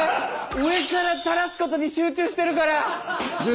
上から垂らすことに集中してるから。